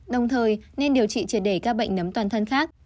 đồng thời nên điều trị triệt để các bệnh nấm toàn thân khác